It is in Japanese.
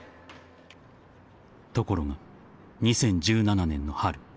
［ところが２０１７年の春］